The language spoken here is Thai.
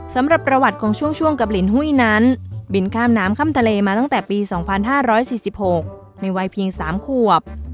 สำหรับประวัติของช่วงกับลินหุ้ยนั้นบินข้ามน้ำข้ามทะเลมาตั้งแต่ปี๒๕๔๖ในวัยเพียง๓ขวบ